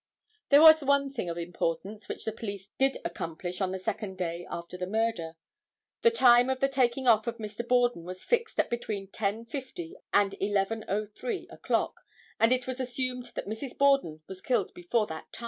There was one thing of importance which the police did accomplish on the second day after the murder. The time of the taking off of Mr. Borden was fixed at between 10:50 and 11:03 o'clock, and it was assumed that Mrs. Borden was killed before that time.